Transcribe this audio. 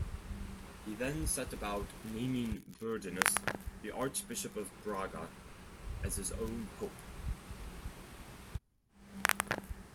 He then set about naming Burdinus, the archbishop of Braga, as his own pope.